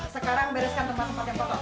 sekarang bereskan tempat tempat yang kotor